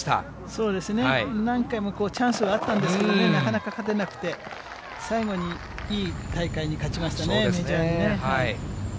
そうですね、何回もチャンスはあったんですけどね、なかなか勝てなくて、最後にいい大会に勝ちましたね、メジャーでね。